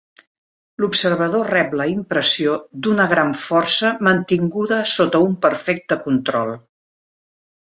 L'observador rep la impressió d'una gran força mantinguda sota un perfecte control.